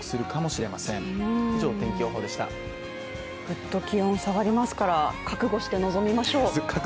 ぐっと気温下がりますから覚悟して臨みましょう。